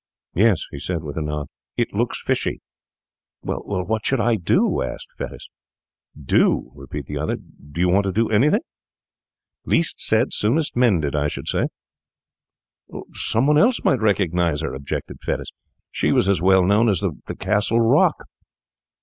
'Yes,' he said with a nod, 'it looks fishy.' 'Well, what should I do?' asked Fettes. 'Do?' repeated the other. 'Do you want to do anything? Least said soonest mended, I should say.' 'Some one else might recognise her,' objected Fettes. 'She was as well known as the Castle Rock.